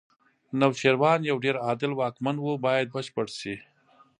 نوشیروان یو ډېر عادل واکمن و باید بشپړ شي.